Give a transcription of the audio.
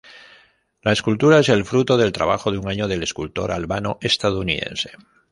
La escultura es el fruto del trabajo de un año del escultor albano-estadounidense.